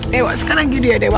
dewa sekarang gini dia dewa